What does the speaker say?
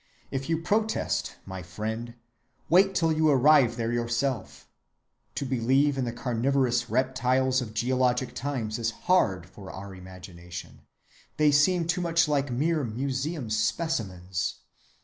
If you protest, my friend, wait till you arrive there yourself! To believe in the carnivorous reptiles of geologic times is hard for our imagination—they seem too much like mere museum specimens.